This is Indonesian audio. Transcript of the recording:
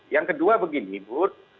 yang kedua begini bu